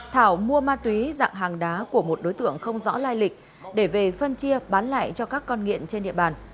thảo mua ma túy dạng hàng đá của một đối tượng không rõ lai lịch để về phân chia bán lại cho các con nghiện trên địa bàn